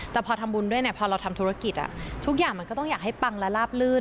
แต่พอทำบุญด้วยพอเราทำธุรกิจทุกอย่างมันก็ต้องอยากให้ปังและลาบลื่น